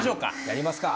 やりますか。